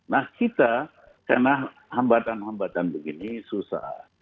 nah kita karena hambatan hambatan begini susah